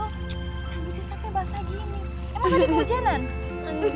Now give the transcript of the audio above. tidak bisa sampai basah gini